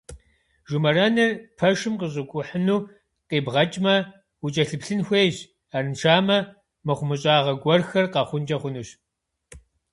Жумэрэныр пэшым къыщикӏухьыну къибгъэкӏмэ, укӏэлъыплъын хуейщ, арыншамэ, мыхъумыщӏагъэ гуэрхэр къэхъункӏэ хъунущ.